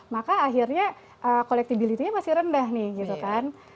maka akhirnya collectibility nya masih rendah nih gitu kan